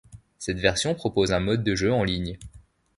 Cette version propose un mode de jeu en ligne.